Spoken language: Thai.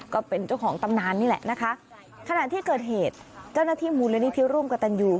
ก็เป็นเจ้าของตำนานนี่แหละนะคะขณะที่เกิดเหตุเจ้าหน้าที่มูลนิธิร่วมกับตันยู